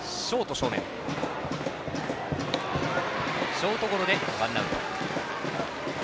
ショートゴロでワンアウト。